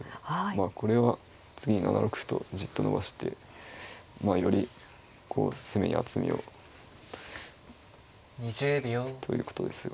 まあこれは次に７六歩とじっと伸ばしてまあよりこう攻めに厚みをということですが。